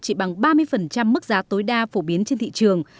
chỉ bằng ba mươi mức giá tối đa phổ biến trên thị trường